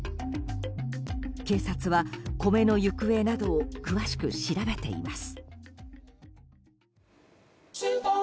警察は米の行方などを詳しく調べています。